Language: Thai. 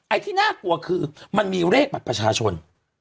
ที่น่ากลัวคือมันมีเลขบัตรประชาชน